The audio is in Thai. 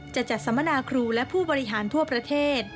จะจัดสัมมนาครูและผู้บริหารทั่วประเทศ